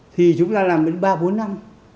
thì chúng ta làm đến ba bốn năm